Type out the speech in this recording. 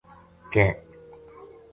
کِ